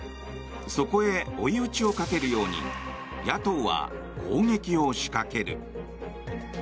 そこへ追い打ちをかけるように野党は攻撃を仕掛ける。